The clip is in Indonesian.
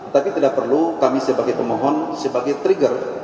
tapi tidak perlu kami sebagai pemohon sebagai trigger